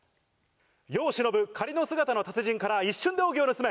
世を忍ぶ仮の姿の達人から一瞬で奥義を盗め！